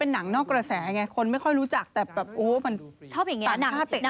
เป็นหนังนอกกระแสคนไม่ค่อยรู้จักแต่ช้าเตะตา